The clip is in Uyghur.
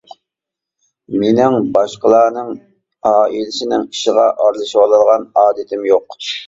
مېنىڭ باشقىلارنىڭ ئائىلىسىنىڭ ئىشىغا ئارىلىشىۋالىدىغان ئادىتىم يوق.